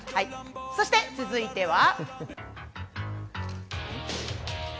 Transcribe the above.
そして続いては。